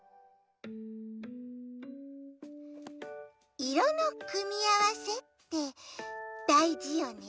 いろのくみあわせってだいじよね。